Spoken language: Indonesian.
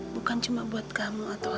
bukan cuma buat kamu atau